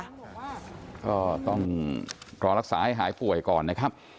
แต่ว่าก็ต้องรอรักษาให้หายป่วยก่อนนะครับ